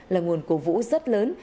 là nguồn cổ vũ rất lớn